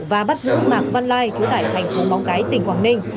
và bắt giữ mạc văn lai trú tại thành phố móng cái tỉnh quảng ninh